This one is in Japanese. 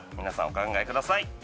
皆さんお考えください